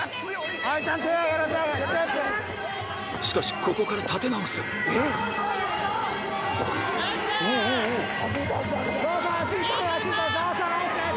しかしここから立て直す・ナイス！